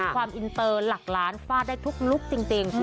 ความอินเตอร์หลักล้านฟาดได้ทุกลุคจริง